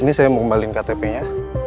ini saya mau ngembalin ktp nya